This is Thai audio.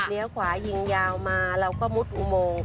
เลี้ยวขวายิงยาวมาเราก็มุดอุโมงค่ะ